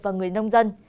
và người nông dân